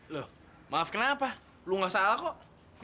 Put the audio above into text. loh maaf kenapa lu nggak salah kok